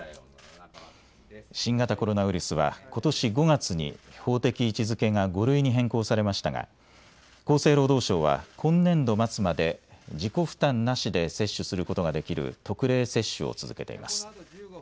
新型コロナウイルスはことし５月に法的位置づけが５類に変更されましたが厚生労働省は今年度末まで自己負担なしで接種することができる特例接種を続けています。